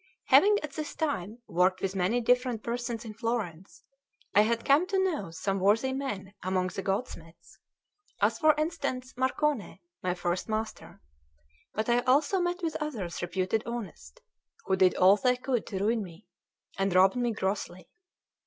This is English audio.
Having at this time worked with many different persons in Florence, I had come to know some worthy men among the goldsmiths, as for instance, Marcone, my first master; but I also met with others reputed honest, who did all they could to ruin me, and robbed me grossly.